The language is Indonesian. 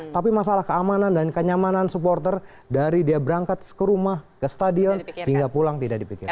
tapi masalah keamanan dan kenyamanan supporter dari dia berangkat ke rumah ke stadion hingga pulang tidak dipikirkan